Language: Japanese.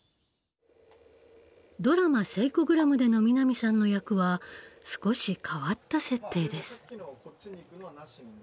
ドラマ「セイコグラム」での南さんの役は少し変わった設定です。